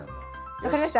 分かりました？